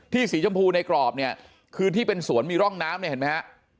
สีชมพูในกรอบเนี่ยคือที่เป็นสวนมีร่องน้ำเนี่ยเห็นไหมฮะ